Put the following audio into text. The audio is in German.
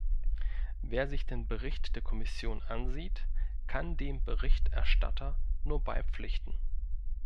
Wer sich den Bericht der Kommission ansieht, kann dem Berichterstatter nur beipflichten.